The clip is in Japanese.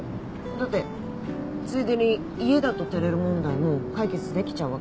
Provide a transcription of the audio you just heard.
だってついでに家だと照れる問題も解決できちゃうわけでしょ？